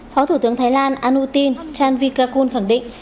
phó thủ tướng thái lan anutin chanvikrakul khẳng định